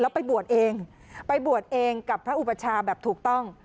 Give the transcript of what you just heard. ไปบวชเองไปบวชเองกับพระอุปชาแบบถูกต้อง